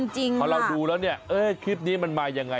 จริงค่ะพอเราดูแล้วเนี่ยเอ้ยคลิปนี้มันมายังไง